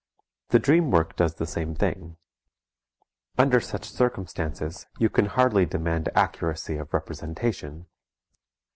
The dream work does the same thing. Under such circumstances you can hardly demand accuracy of representation.